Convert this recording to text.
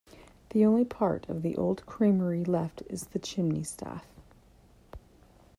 The only part of the old creamery left is the chimney staff.